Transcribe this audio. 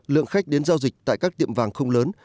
lượng khách đến giao dịch tại các tiệm vàng không lớn